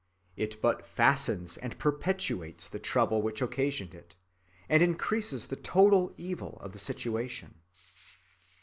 It but fastens and perpetuates the trouble which occasioned it, and increases the total evil of the situation.